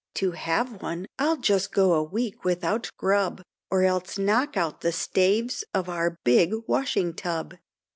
To have one, I'll just go a week without grub, Or else knock out the staves of our big washing tub.